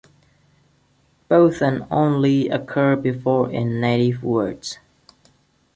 Both and only occur before in native words.